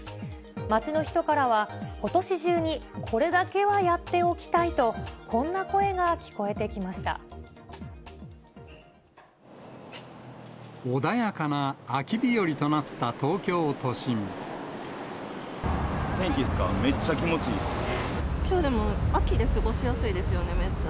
街の人からは、ことし中にこれだけはやっておきたいと、こんな声穏やかな秋日和となった東京天気ですか、きょうでも、秋で過ごしやすいですよね、めっちゃ。